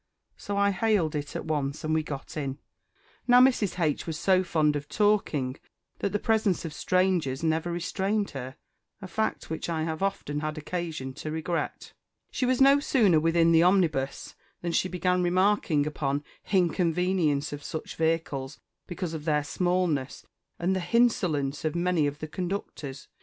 So I hailed it at once, and we got in. Now Mrs. H. was so fond of talking that the presence of strangers never restrained her a fact which I have often had occasion to regret. She was no sooner within the omnibus than she began remarking upon _h_inconveaience of such vehicles, because of their smallness, and the _h_insolence of many of the conductors.